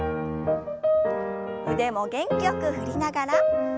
腕も元気よく振りながら。